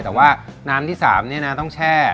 แต่ว่าน้ำที่๓ต้องแช่